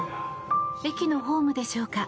駅のホームでしょうか。